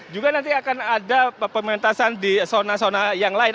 juga nanti akan ada pementasan di zona zona yang lain